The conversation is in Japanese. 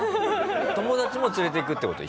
友達も連れていくって事？